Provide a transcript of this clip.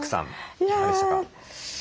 いかがでしたか？